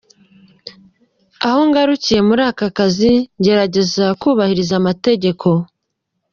Aho ngarukiye muri aka kazi ngerageza kubahiriza amategeko.